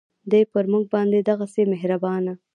دی پر مونږ باندې دغهسې مهربانه